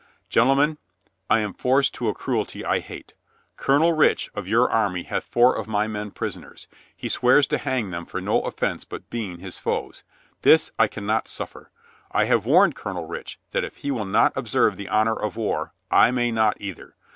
"Gen tlemen ! I am forced to a cruelty I hate. Colonel Rich of your army hath four of my men prisoners. He swears to hang them for no offense but being his foes. This I can not suffer. I have warned Colonel Rich that if he will not observe the honor of war, I may not either.